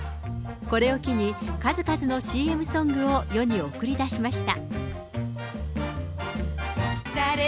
これを機に、数々のＣＭソングを世に送り出しました。